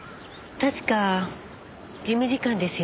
確か事務次官ですよね？